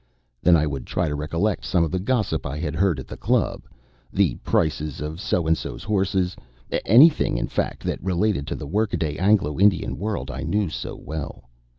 Then I would try to recollect some of the gossip I had heard at the Club: the prices of So and So's horses anything, in fact, that related to the workaday Anglo Indian world I knew so well.